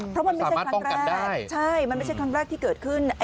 เพราะมันไม่ใช่ครั้งแรกที่เกิดขึ้น